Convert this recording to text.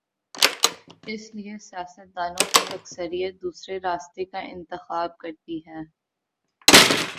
اس لیے سیاست دانوں کی اکثریت دوسرے راستے کا انتخاب کر تی ہے۔